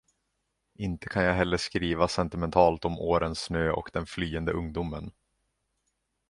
Inte kan jag heller skriva sentimentalt om årens snö och den flyende ungdomen.